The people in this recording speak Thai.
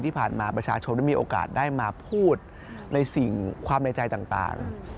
ที่ผ่านมาประชาชนมันได้มีโอกาสได้มาพูดในสิ่งความในใจต่าง